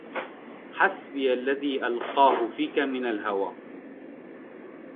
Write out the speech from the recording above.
حسبي الذي ألقاه فيك من الهوى